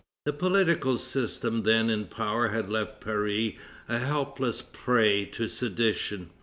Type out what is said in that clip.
The political system then in power had left Paris a helpless prey to sedition.